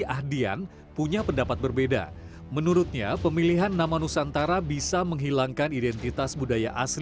ahdian punya pendapat berbeda menurutnya pemilihan nama nusantara bisa menghilangkan identitas budaya asli